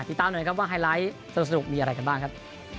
หน่อยครับว่าไฮไลท์สนุกมีอะไรกันบ้างครับ